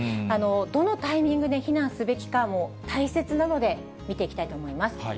どのタイミングで避難すべきかも大切なので、見ていきたいと思います。